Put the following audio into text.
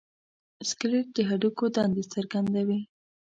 سکلیټ د هډوکو دندې څرګندوي.